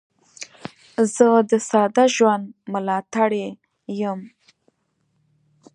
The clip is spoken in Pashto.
زه د ساده ژوند ملاتړی یم.